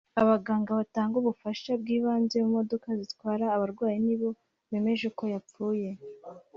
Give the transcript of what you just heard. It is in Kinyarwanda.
Abaganga batanga ubufasha bw’ibanze mu modoka zitwara abarwayi nibo bemeje ko yapfuye